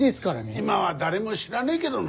今は誰も知らねえげどな。